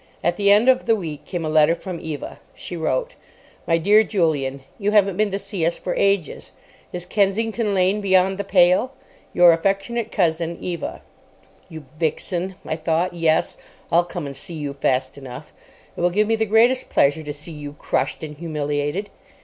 At the end of the week came a letter from Eva. She wrote:— My Dear Julian,—You haven't been to see us for ages. Is Kensington Lane beyond the pale? Your affectionate cousin, Eva. "You vixen," I thought. "Yes; I'll come and see you fast enough. It will give me the greatest pleasure to see you crushed and humiliated."